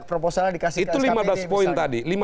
proposal dikasih itu lima belas poin tadi